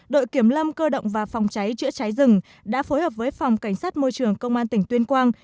đội kiểm lâm cơ động và phòng cháy chữa cháy rừng đã phối hợp với phòng cảnh sát môi trường công an tỉnh tuyên quang